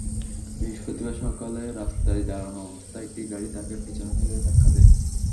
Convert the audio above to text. বৃহস্পতিবার সকালে রাস্তায় দাঁড়ানো অবস্থায় একটি গাড়ি তাঁকে পেছন থেকে ধাক্কা দেয়।